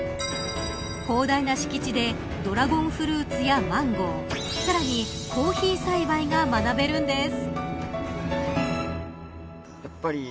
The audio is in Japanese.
広大な敷地でドラゴンフルーツやマンゴーさらにコーヒー栽培が学べるんです。